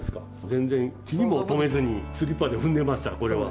全然気にも留めずにスリッパで踏んでました、これは。